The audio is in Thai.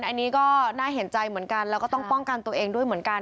อันนี้ก็น่าเห็นใจเหมือนกันแล้วก็ต้องป้องกันตัวเองด้วยเหมือนกัน